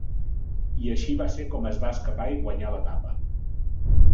I així va ser com es va escapar i guanyà l'etapa.